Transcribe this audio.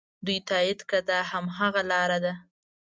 دوی تایید کړه دا هماغه لاره ده.